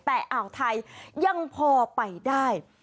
แต่อ่าวไทยยังพอไปได้